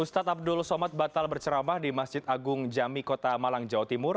ustadz abdul somad batal berceramah di masjid agung jami kota malang jawa timur